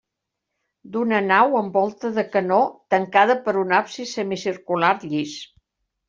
D'una nau amb volta de canó, tancada per un absis semicircular llis.